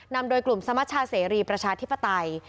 นำโดยกลุ่มสมชาเสรีประชาธิปไตย